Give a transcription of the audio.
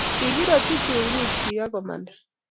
kigiratyi tungukchi ago Manda